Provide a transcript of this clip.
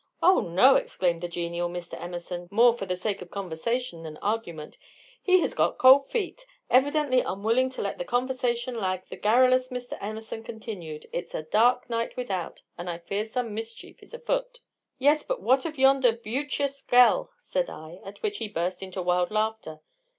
"'Oh no!' exclaimed the genial Mr. Emerson, more for the sake of conversation than argument; 'he has got cold feet!' Evidently unwilling to let the conversation lag, the garrulous Mr. Emerson continued, 'It's a dark night without, and I fear some mischief is afoot.' "'Yes; but what of yonder beautchous gel?' said I, at which he burst into wild laughter."